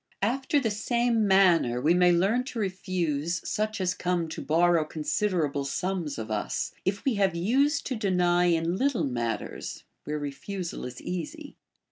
After the same manner we may learn to refuse such as come to borrow considerable sums of us, if we have used to deny in little matters where refusal is easy.